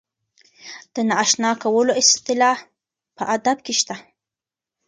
د نااشنا کولو اصطلاح په ادب کې شته.